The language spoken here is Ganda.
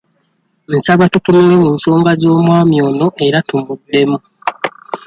Nsaba tutunule mu nsonga z'omwami ono era tumuddemu.